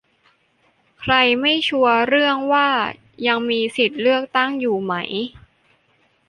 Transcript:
ใครไม่ชัวร์เรื่องว่ายังมีสิทธิ์เลือกตั้งอยู่ไหม